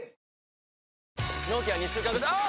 納期は２週間後あぁ！！